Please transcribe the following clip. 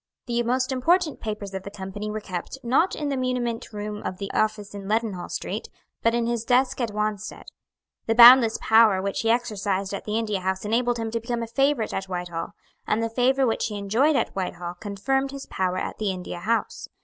The most important papers of the Company were kept, not in the muniment room of the office in Leadenhall Street, but in his desk at Wanstead. The boundless power which he exercised at the India House enabled him to become a favourite at Whitehall; and the favour which he enjoyed at Whitehall confirmed his power at the India House.